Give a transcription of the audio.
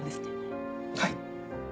はい。